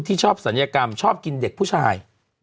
ชอบศัลยกรรมชอบกินเด็กผู้ชาย